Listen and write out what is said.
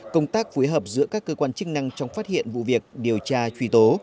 công tác phối hợp giữa các cơ quan chức năng trong phát hiện vụ việc điều tra truy tố